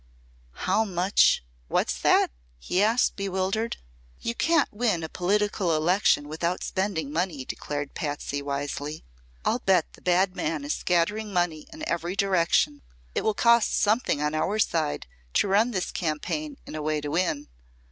"How much what's that?" he asked, bewildered. "You can't win a political election without spending money," declared Patsy, wisely. "I'll bet the bad man is scattering money in every direction. It will cost something on our side to run this campaign in a way to win."